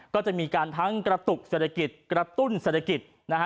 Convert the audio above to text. ก็จะมีการทั้งกระตุกเศรษฐกิจกระตุ้นเศรษฐกิจนะฮะ